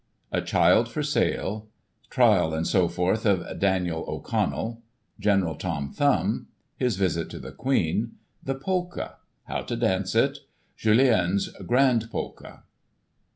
A child for sale— Trial, &c., of Daniel O'Connell— General Tom Thumb— His visit to the Queen— The Polka— How to dance it —" Jullien's Grand Polka."